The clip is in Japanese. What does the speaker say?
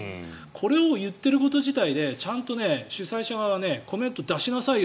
これを言っていること自体でちゃんと主催者側はコメント出しなさい